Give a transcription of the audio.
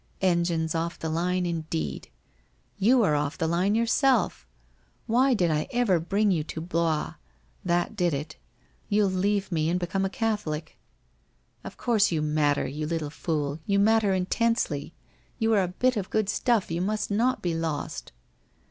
Engines off the line, in deed ! You are off the line yourself. Why did I ever bring you to Blois? That did it. You'll leave me and become a Catholic. ... Of course you matter, you little fool, you matter intensely, you are a bit of good stuff, you must not be lost.